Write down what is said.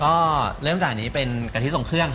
ก็เริ่มจากอันนี้เป็นกะทิทรงเครื่อง